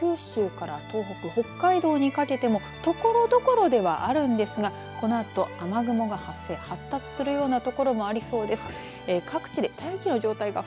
そのほかの九州から東北北海道にかけてもところどころではあるんですがこのあと雨雲が発生発達するような所もありそうです。